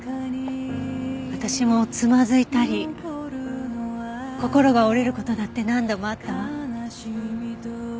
私もつまずいたり心が折れる事だって何度もあったわ。